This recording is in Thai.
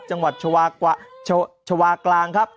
จังหวัดชาวากลางครับ